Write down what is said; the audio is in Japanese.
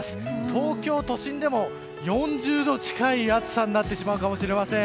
東京都心でも４０度近い暑さになってしまうかもしれません。